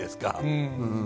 うん。